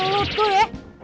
lo tuh ya